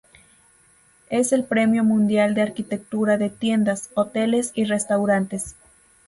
Es el premio mundial de arquitectura de tiendas, hoteles y restaurantes.